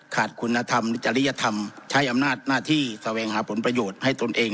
ขาดคุณธรรมจริยธรรมใช้อำนาจหน้าที่แสวงหาผลประโยชน์ให้ตนเอง